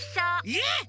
えっ！？